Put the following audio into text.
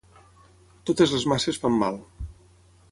Totes ses masses fan mal